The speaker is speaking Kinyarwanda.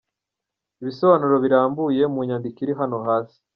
Ibisobanuro birambuye mu nyandiko iri hano hasi: